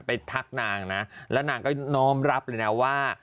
ทักนางนะแล้วนางก็น้อมรับเลยนะว่า